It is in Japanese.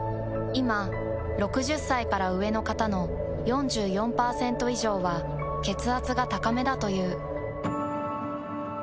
いま６０歳から上の方の４４％以上は血圧が高めだという。